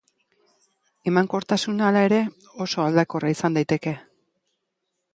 Emankortasuna, hala ere, oso aldakorra izan daiteke.